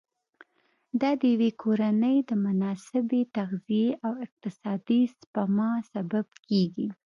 دا د یوې کورنۍ د مناسبې تغذیې او اقتصادي سپما سبب کېږي.